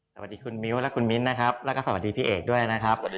สวัสดีคุณมิวและคุณมิ้นและสวัสดีพี่เอกด้วยนะครับ